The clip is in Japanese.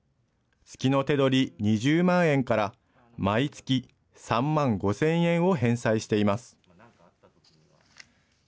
月の手取り２０万円から毎月３万５０００円を返済しています。